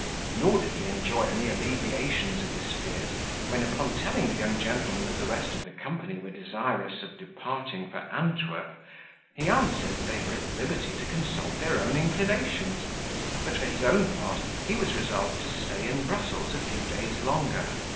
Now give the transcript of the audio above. Nor did he enjoy any alleviations of his fears, when, upon telling the young gentleman that the rest of the company were desirous of departing for Antwerp, he answered, they were at liberty to consult their own inclinations; but, for his own part, he was resolved to stay in Brussels a few days longer.